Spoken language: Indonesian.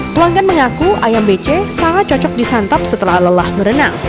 pelanggan mengaku ayam bece sangat cocok disantap setelah lelah berenang